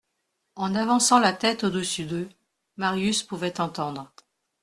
En avançant la tête au-dessus d'eux, Marius pouvait entendre.